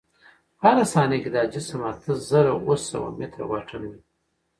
په هره ثانیه کې دا جسم اته زره اوه سوه متره واټن وهي.